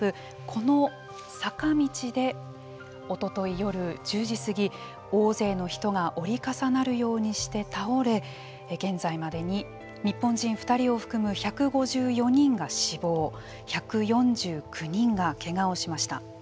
この坂道でおととい夜１０時過ぎ大勢の人が折り重なるようにして倒れ現在までに日本人２人を含む１５４人が死亡１４９人がけがをしました。